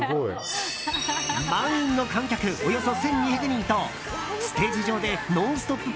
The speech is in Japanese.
満員の観客およそ１２００人とステージ上で「ノンストップ！」